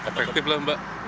efektif lah mbak